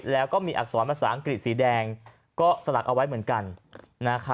แล้วก็มีอักษรภาษาอังกฤษสีแดงก็สลักเอาไว้เหมือนกัน